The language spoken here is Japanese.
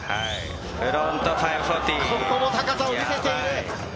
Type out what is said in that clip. ここも高さを見せている。